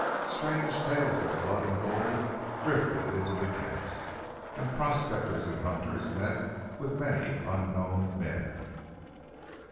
Strange tales of blood and gold drifted into the camps, and prospectors and hunters met with many unknown men.